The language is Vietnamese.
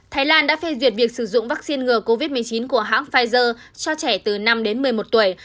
thái lan đã phê duyệt việc sử dụng vaccine ngừa covid một mươi chín của hãng pfizer cho trẻ từ năm đến một mươi một tuổi